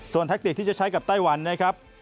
แทคติกที่จะใช้กับไต้หวันนะครับ